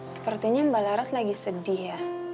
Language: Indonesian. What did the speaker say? sepertinya mbak laras lagi sedih ya